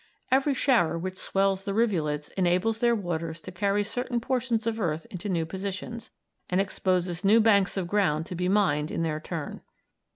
Every shower which swells the rivulets enables their waters to carry certain portions of earth into new positions, and exposes new banks of ground to be mined in their turn.